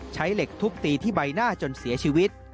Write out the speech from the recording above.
ใช้เหล็กทุบตีที่ใบหน้าจนเสียชีวิต